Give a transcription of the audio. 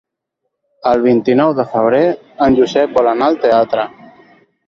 El vint-i-nou de febrer en Josep vol anar al teatre.